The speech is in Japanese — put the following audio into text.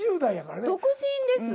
独身です。